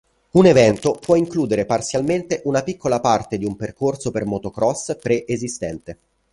Un evento può includere parzialmente una piccola parte di un percorso per motocross preesistente.